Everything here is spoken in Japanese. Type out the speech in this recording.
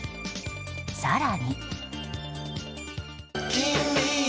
更に。